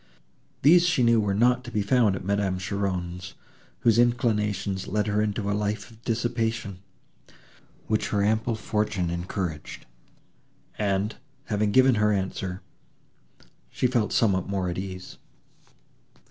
These she knew were not to be found at Madame Cheron's, whose inclinations led her into a life of dissipation, which her ample fortune encouraged; and, having given her answer, she felt somewhat more at ease.